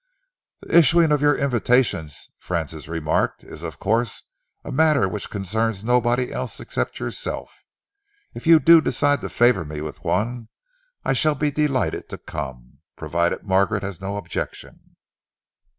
"The issuing of your invitations," Francis remarked, "is of course a matter which concerns nobody else except yourself. If you do decide to favour me with one, I shall be delighted to come, provided Margaret has no objection."